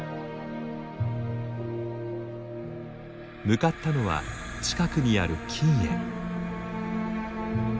向かったのは近くにある菌園。